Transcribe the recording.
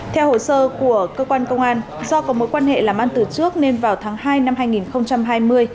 theo hồ sơ của cơ quan công an do có mối quan hệ làm ăn từ trước nên vào tháng hai năm hai nghìn hai mươi